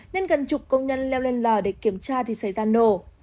nên gần chục công nhân leo lên lò để kiểm tra thì xảy ra nổ